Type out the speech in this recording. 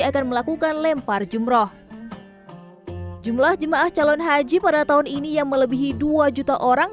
akan melakukan lempar jumroh jumlah jemaah calon haji pada tahun ini yang melebihi dua juta orang